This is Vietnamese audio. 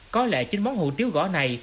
có lẽ chính món hủ tiếu gõ này